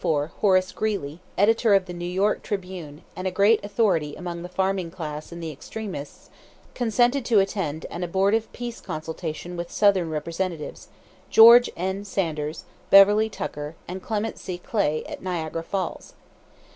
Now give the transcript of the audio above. In 1864, Horace Greeley, editor of the New York Tribune, and a great authority among the farming class and the extremists, consented to attend an abortive peace consultation with Southern representatives, George N. Sanders, Beverly Tucker, and Clement C. Clay, at Niagara Falls.